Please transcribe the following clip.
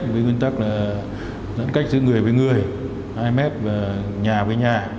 với nguyên tắc là sẵn cách giữa người với người hai mét và nhà với nhà